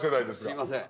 すいません。